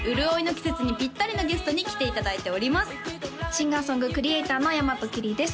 シンガー・ソングクリエイターの大和きりです